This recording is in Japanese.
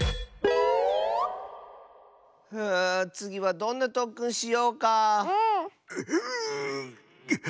ふうつぎはどんなとっくんしようか？